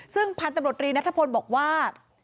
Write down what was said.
ซึ่งพันธุ์ตำรวจรีนัทพลบอกว่า